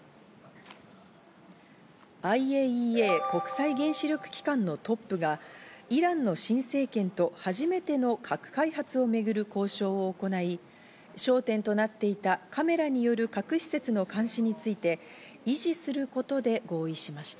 ＩＡＥＡ＝国際原子力機関のトップがイランの新政権と初めての核開発を巡る交渉を行い、焦点となっていたカメラによる核施設の監視について維持することで合意しました。